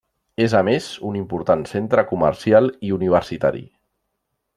És a més, un important centre comercial i universitari.